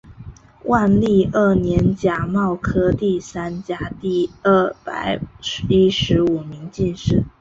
万历二年甲戌科第三甲第二百一十五名进士。